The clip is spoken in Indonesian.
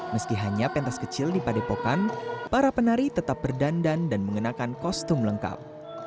meski hanya pentas kecil di padepokan para penari tetap berdandan dan mengenakan kostum lengkap